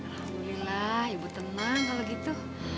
alhamdulillah ibu teman kalau gitu